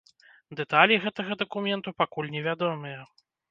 Дэталі гэтага дакументу пакуль невядомыя.